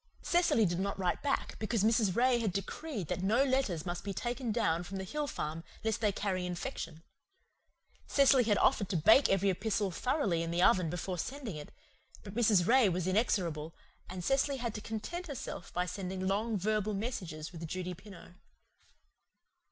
Cecily did not write back, because Mrs. Ray had decreed that no letters must be taken down from the hill farm lest they carry infection. Cecily had offered to bake every epistle thoroughly in the oven before sending it; but Mrs. Ray was inexorable, and Cecily had to content herself by sending long verbal messages with Judy Pineau.